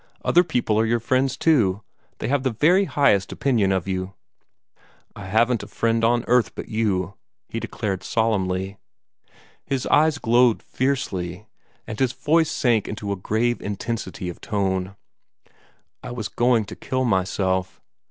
Other people are your friends, too. They have the very highest opinion of you." "I haven't a friend on earth but you!" he declared solemnly. His eyes glowed fiercely, and his voice sank into a grave intensity of tone. "I was going to kill myself.